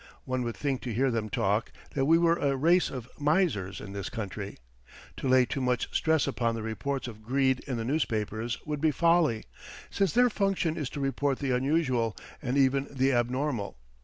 One would think to hear them talk that we were a race of misers in this country. To lay too much stress upon the reports of greed in the newspapers would be folly, since their function is to report the unusual and even the abnormal.